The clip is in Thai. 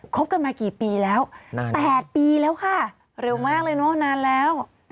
บกันมากี่ปีแล้ว๘ปีแล้วค่ะเร็วมากเลยเนอะนานแล้ว